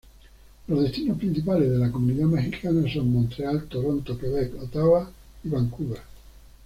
Los destinos principales de la comunidad mexicana son Montreal, Toronto, Quebec, Ottawa y Vancouver.